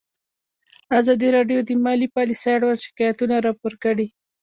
ازادي راډیو د مالي پالیسي اړوند شکایتونه راپور کړي.